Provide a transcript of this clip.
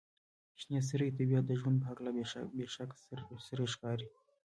• شنې سترګې د طبیعت د ژوند په هکله بې شک سره ښکاري.